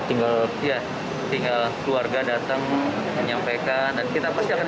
tinggal keluarga datang menyampaikan